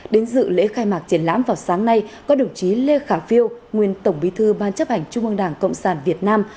đến dự lễ khai mạc triển lãm vào sáng nay có đồng chí lê khả phiêu nguyên tổng bí thư ban chấp hành trung ương đảng cộng sản việt nam